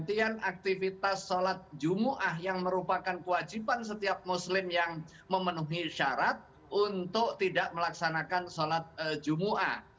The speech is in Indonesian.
dan juga tidak melakukan aktivitas sholat jumuah yang merupakan kewajiban setiap muslim yang memenuhi syarat untuk tidak melaksanakan sholat jumuah